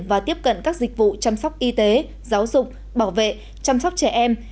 và tiếp cận các dịch vụ chăm sóc y tế giáo dục bảo vệ chăm sóc trẻ em